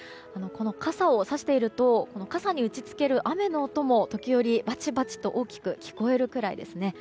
傘をさしていると傘に打ち付ける雨の音も時折バチバチと大きく聞こえるくらいです。